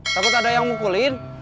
takut ada yang mukulin